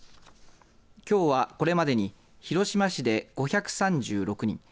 きょうはこれまでに広島市で５３６人